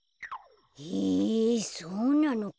へえそうなのか。